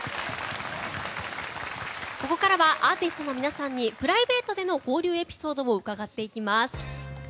ここからはアーティストの皆さんにプライベートでの交流エピソードを伺っていきます。